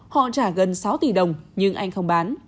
họ trả gần sáu tỷ đồng nhưng anh không bán